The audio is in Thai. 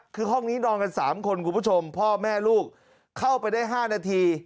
คือห้องนี้นอนกัน๓คนคุณผู้ชมพ่อแม่ลูกเข้าไปได้๕นาที